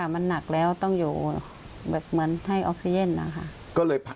มันหนักแล้วต้องอยู่เหมือนให้ออฟเซียนล่ะค่ะ